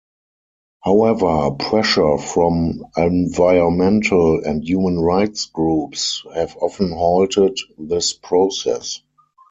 However, pressure from environmental and human rights groups have often halted this process.